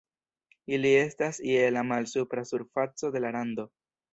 Ili estas je la malsupra surfaco de la rando.